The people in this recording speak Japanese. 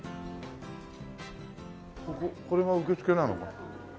これが受付なのかな？